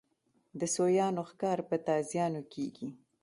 د سویانو ښکار په تازیانو کېږي.